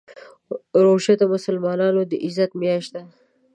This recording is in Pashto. روژه د مسلمان د عزت میاشت ده.